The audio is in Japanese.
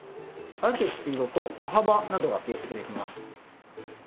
歩くスピードと歩幅などが計測できます。